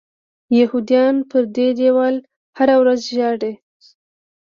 یهودیان پر دې دیوال هره ورځ ژاړي.